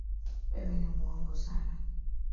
kwenye pwani isiyosaidia kutunza karatasi na kurasa